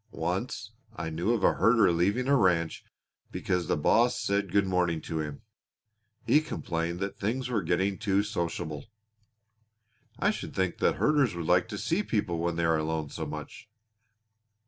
Once I knew of a herder leaving a ranch because the boss said good morning to him. He complained that things were getting too sociable." "I should think the herders would like to see people when they are alone so much."